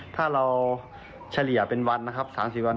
ถ้าเราเฉลี่ยเป็นวันนะครับ๓๐วัน